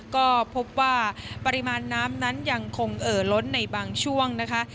ก็พบว่าปริมาณน้ำนั้นยังคงเอ่อล้นในบางช่วงนะคะ